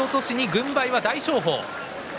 軍配は大翔鵬。